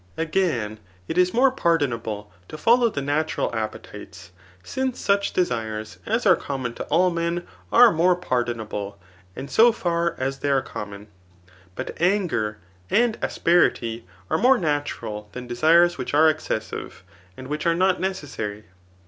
Again, it is more pardon* Digitized by Google S62 THE NICOMACHitAN BOOK VII. able to follow the natural appetites, since such desires as are common to all men are more pardonable, and so hr as they are common. But anger and asperity are mo^e natural than desires which are excessive, and which are not necessary.